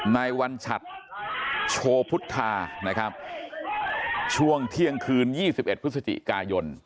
ในวันฉัดโชพุทธานะครับช่วงเที่ยงคืน๒๑พฤศจิกายน